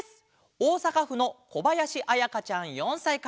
おおさかふのこばやしあやかちゃん４さいから。